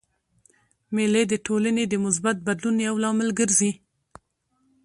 مېلې د ټولني د مثبت بدلون یو لامل ګرځي.